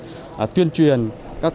tuyên truyền các quy định các kiến thức